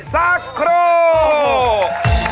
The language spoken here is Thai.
สักครู่